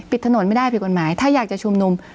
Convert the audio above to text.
ถนนไม่ได้ผิดกฎหมายถ้าอยากจะชุมนุม